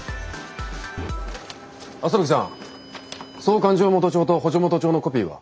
麻吹さん総勘定元帳と補助元帳のコピーは？